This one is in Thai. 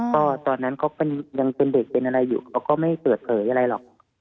ก็ตอนนั้นเขายังเป็นเด็กเป็นอะไรอยู่เขาก็ไม่เปิดเผยอะไรหรอก